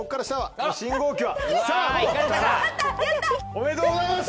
おめでとうございます。